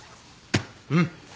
うん。